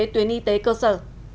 tuyến y tế cơ sở